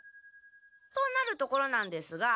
となるところなんですが。